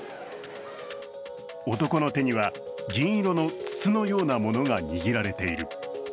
男の手には、銀色の筒のようなものが握られている。